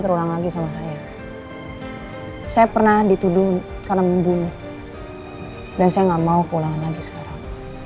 terulang lagi sama saya saya pernah dituduh karena membunuh dan saya nggak mau pulang lagi sekarang